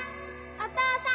お父さん！